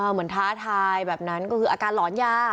ท้าทายแบบนั้นก็คืออาการหลอนยา